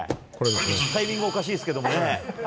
タイミングおかしいですけども。